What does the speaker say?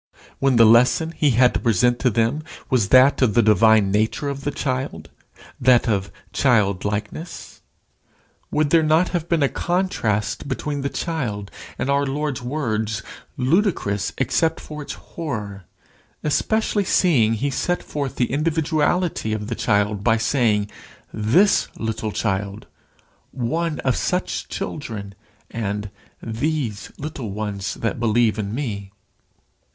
when the lesson he had to present to them was that of the divine nature of the child, that of childlikeness? Would there not have been a contrast between the child and our Lord's words, ludicrous except for its horror, especially seeing he set forth the individuality of the child by saying, "this little child," "one of such children," and "these little ones that believe in me?"